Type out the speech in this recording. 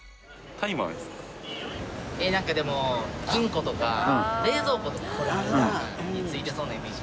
なんかでも金庫とか冷蔵庫とかについてそうなイメージ。